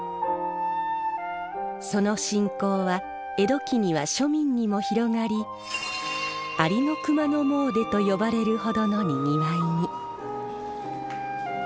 その信仰は江戸期には庶民にも広がり「ありの熊野詣で」と呼ばれるほどのにぎわいに。